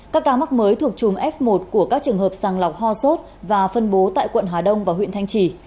các ca mắc mới thuộc chùm f một của các trường hợp sàng lọc ho sốt và phân bố tại quận hà đông và huyện thanh trì